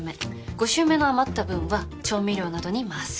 ５週目の余った分は調味料などに回す。